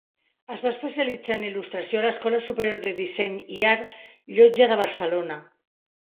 Es va especialitzar en il·lustració a l’Escola Superior de Disseny i Art Llotja de Barcelona.